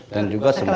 dan juga sempat